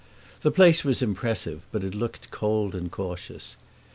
The place was impressive but it looked cold and cautious.